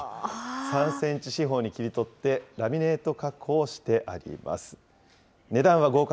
３センチ四方に切り取って、ラミネート加工してあります。